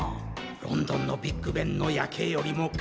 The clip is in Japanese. ロンドンのビッグベンの夜景よりもか？